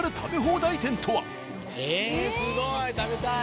ええすごい。